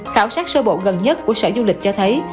khảo sát sơ bộ gần nhất của sở du lịch cho thấy